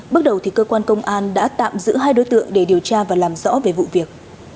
bước đầu thì cơ quan công an đã tạm giữ hai đối tượng để điều tra và làm rõ về vụ việc